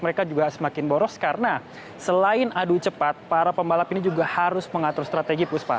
mereka juga semakin boros karena selain adu cepat para pembalap ini juga harus mengatur strategi puspa